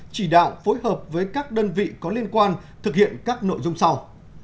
chỉ đạo phối hợp với các đơn vị có liên quan thực hiện các nội dung sau